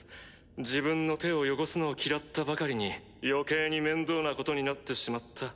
自分の手を汚すのを嫌ったばかりに余計に面倒なことになってしまった。